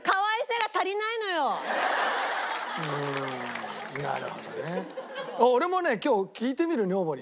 うーんなるほどね。俺もね今日聞いてみる女房に。